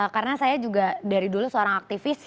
karena saya juga dari dulu seorang aktivis